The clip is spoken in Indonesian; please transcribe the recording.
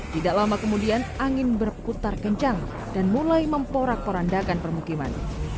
tidak lama kemudian angin berputar kencang dan mulai memporak porandakan permukiman